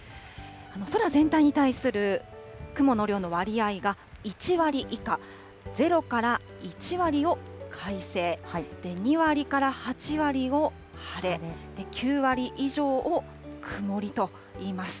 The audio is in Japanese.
空全体に対する雲の量の割合が１割以下、０から１割を快晴、２割から８割を晴れ、９割以上を曇りといいます。